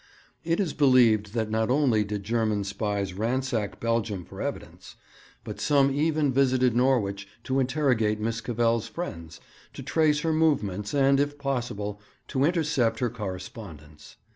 It is believed that not only did German spies ransack Belgium for evidence, but some even visited Norwich to interrogate Miss Cavell's friends, to trace her movements, and, if possible, to intercept her correspondence.